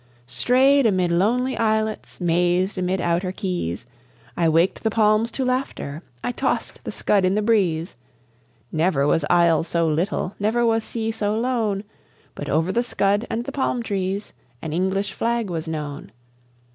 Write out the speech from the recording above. "Strayed amid lonely islets, mazed amid outer keys, I waked the palms to laughter I tossed the scud in the breeze Never was isle so little, never was sea so lone, But over the scud and the palm trees an English flag was flown.